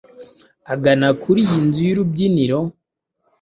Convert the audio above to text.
Agana kuri iyi nzu y’urubyiniro,